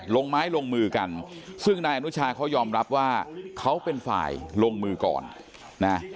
ลงไม้ลงมือกันซึ่งนายอนุชาเขายอมรับว่าเขาเป็นฝ่ายลงมือก่อนนะ